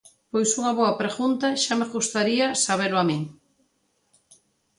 Pois unha boa pregunta, xa me gustaría sabelo a min.